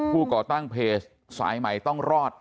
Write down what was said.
ก่อตั้งเพจสายใหม่ต้องรอด